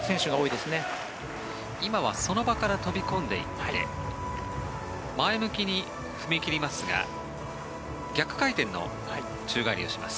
今はその場から飛び込んでいって前向きに踏み切りますが逆回転の宙返りをします。